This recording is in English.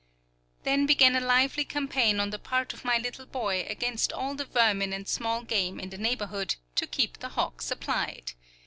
Then began a lively campaign on the part of my little boy against all the vermin and small game in the neighborhood, to keep the hawk supplied.